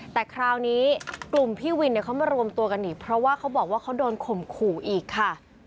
แต่คราวนี้กลุ่มพี่วินเนี่ยเขามารวมตัวกันอีกเพราะว่าเขาบอกว่าเขาโดนข่มขู่อีกค่ะ